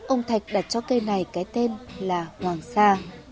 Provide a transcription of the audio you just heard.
ông thạch đặt cho cây này cái tên là hoàng sa